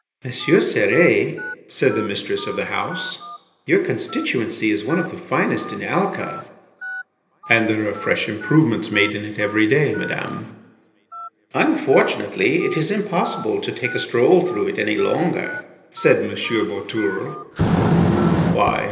"M. Cérès," said the mistress of the house, "your constituency is one of the finest in Alca." "And there are fresh improvements made in it every day, Madame." "Unfortunately, it is impossible to take a stroll through it any longer," said M. Boutourlé. "Why?"